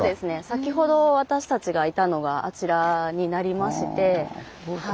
先ほど私たちがいたのがあちらになりまして。